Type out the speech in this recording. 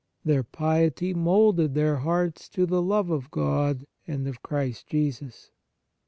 Their piety moulded their hearts to the love of God and of Christ Jesus.